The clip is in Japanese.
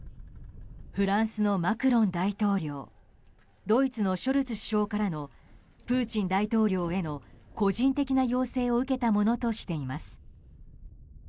フランスのマクロン大統領ドイツのショルツ首相からのプーチン大統領への個人的な要請を受けたものとしています。